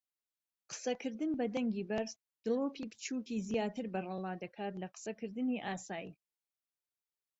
قسەکردن بە دەنگی بەرز دڵۆپی بچووکی زیاتر بەرەڵادەکات لە قسەکردنی ئاسایی.